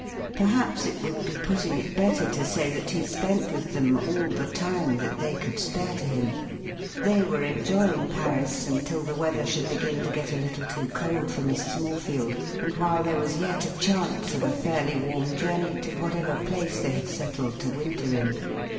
Perhaps it would be putting it better to say that he spent with them all the time that they could spare to him. They were enjoying Paris until the weather should begin to get a little too cold for Mrs. Morefield, and while there was yet a chance of a fairly warm journey to whatever place they had settled to winter in.